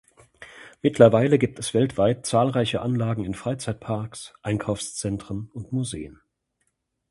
Mittlerweile gibt es weltweit zahlreiche Anlagen in Freizeitparks, Einkaufszentren und Museen.